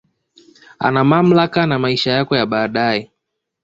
Ana mamlaka na maisha yako ya baadae